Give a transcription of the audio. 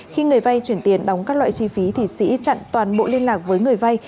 khi người vay chuyển tiền đóng các loại chi phí thì sĩ chặn toàn bộ liên lạc với người vay